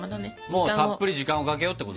もうたっぷり時間をかけようってことだよね。